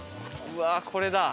うわっこれだ！